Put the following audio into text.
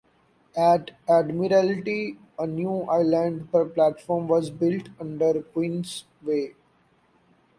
At Admiralty, a new island platform was built under Queensway.